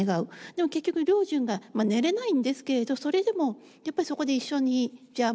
でも結局良順が寝れないんですけれどそれでもやっぱりそこで一緒にじゃあ